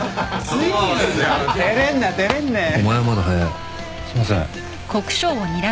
すいません。